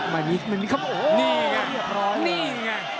ไม่มีมันมีคำโอ้โหนี่ไงนี่ไง